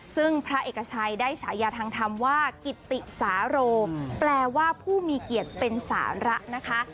ซึ่งพระเอกชัยได้ฉายาทางธรรมว่ากิติสาโรแปลว่าผู้มีเกียรติเป็นสาระนะคะ